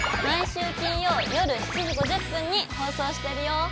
毎週金曜夜７時５０分に放送してるよ！